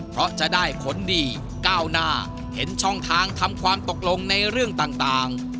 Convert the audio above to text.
เพราะจะได้ผลดีก้าวหน้าเห็นช่องทางทำความตกลงในเรื่องต่าง